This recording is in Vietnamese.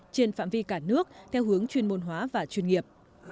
trên phạm vi cả nước theo hướng chuyên môn hóa và chuyên nghiệp